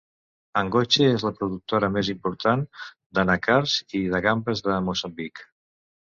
Angoche és la productora més important d'anacards i de gambes de Moçambic.